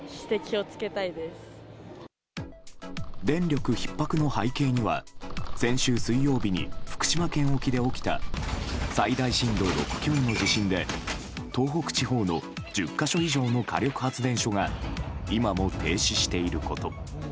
電力ひっ迫の背景には先週水曜日に福島県沖で起きた最大震度６強の地震で東北地方の１０か所以上の火力発電所が今も停止していること。